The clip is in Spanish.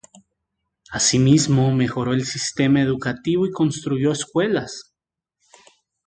Asimismo, mejoró el sistema educativo y construyó escuelas.